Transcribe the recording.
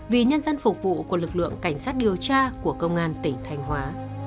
vì nhân dân phục vụ của lực lượng cảnh sát điều tra của công an tỉnh thanh hóa